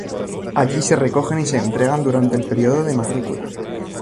Allí se recogen y se entregan durante el periodo de matrícula.